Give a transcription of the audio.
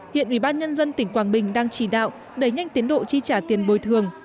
hiện ủy ban nhân dân tỉnh quảng bình đang chỉ đạo đẩy nhanh tiến độ chi trả tiền bồi thường